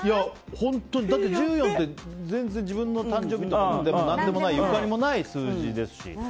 だって１４って自分の誕生日でも何でもないゆかりもない数字ですし。